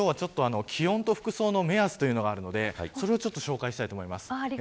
気温と服装の目安というのがあるのでそれを紹介したいと思います。